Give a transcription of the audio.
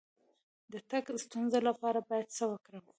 د تګ د ستونزې لپاره باید څه وکړم؟